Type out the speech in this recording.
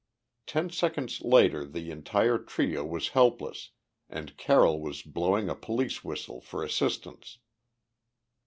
Ten seconds later the entire trio was helpless and Carroll was blowing a police whistle for assistance.